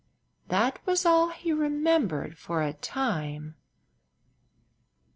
That was all he remembered for a time.